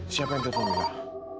siapa yang telepon kamu